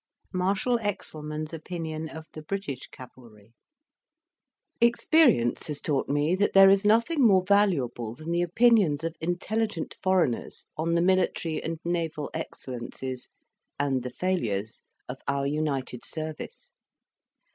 MARSHAL EXCELMANN'S OPINION OF THE BRITISH CAVALRY Experience has taught me that there is nothing more valuable than the opinions of intelligent foreigners on the military and naval excellences, and the failures, of our united service.